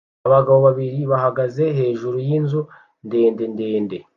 Abagabo babiri bahagaze hejuru yinzu ndende ndende